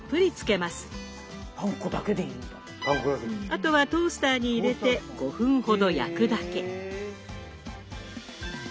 あとはトースターに入れて５分ほど焼くだけ。